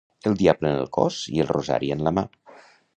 El diable en el cos i el rosari en la mà.